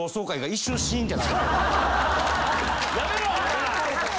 やめろ！